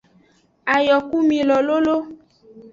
Ayokumilo lolo.